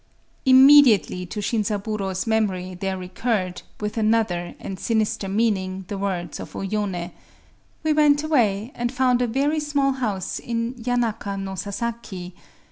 Immediately to Shinzaburö's memory there recurred, with another and sinister meaning, the words of O Yoné:—"_We went away, and found a very small house in Yanaka no Sasaki.